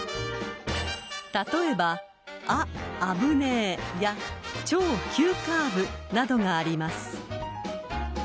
［例えば「あっ危ねー！」や「超急カーブ」などがあります］